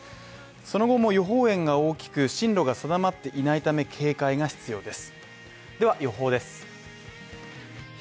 その後も予報円が大きく進路が定まっていないため警戒が必要です。